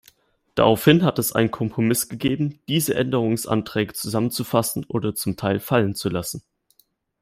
Daraufhin hat es einen Kompromiss gegeben, diese Änderungsanträge zusammenzufassen oder zum Teil fallenzulassen.